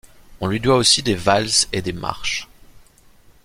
On lui doit aussi des valses et des marches.